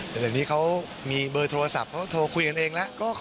เหลือพี่เค้ามีเบอร์โทรศัพท์เค้าโทรคุยกันเองแล้ว